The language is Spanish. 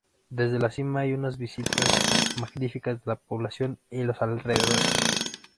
Desde la cima hay unas vistas magníficas de la población y los alrededores.